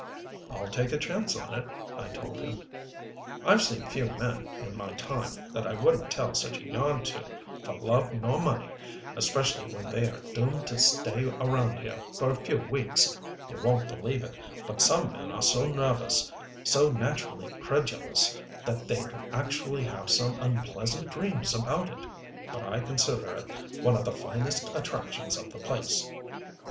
"I'll take a chance on it," I told him. "I've seen a few men, in my time, that I wouldn't tell such a yarn to for love nor money especially when they are doomed to stay around here for a few weeks. You won't believe it, but some men are so nervous, so naturally credulous, that they'd actually have some unpleasant dreams about it. But I consider it one of the finest attractions of the place.